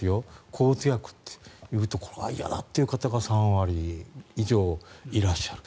抗うつ薬っていうとこれは嫌だという方が３割以上いらっしゃる。